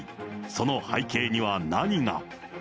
その背景には何が。